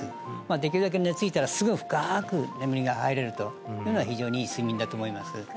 できるだけ寝ついたらすぐ深く眠りが入れるというのが非常にいい睡眠だと思います